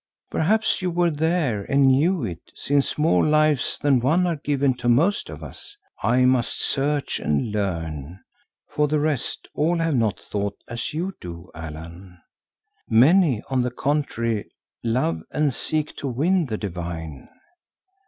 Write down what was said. Perhaps you were there and knew it, since more lives than one are given to most of us. I must search and learn. For the rest, all have not thought as you do, Allan. Many, on the contrary, love and seek to win the Divine."